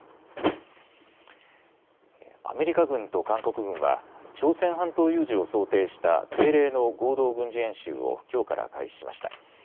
アメリカ軍と韓国軍は朝鮮半島有事を想定した定例の合同軍事演習をきょうから開始しました。